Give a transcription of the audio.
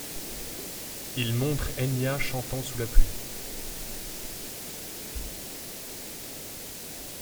Il montre Enya chantant sous la pluie.